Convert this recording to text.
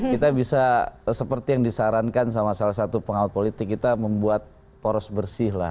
kita bisa seperti yang disarankan sama salah satu pengawat politik kita membuat poros bersih lah